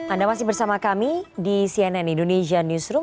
anda masih bersama kami di cnn indonesia newsroom